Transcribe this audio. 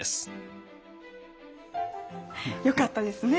よかったですね